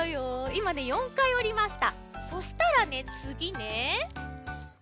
いまね４かいおりました。